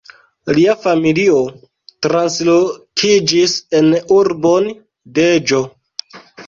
Lia familio translokiĝis en urbon Deĵo.